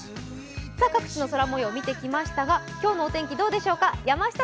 各地の空もよう見てきましたが今日のお天気どうでしょうか。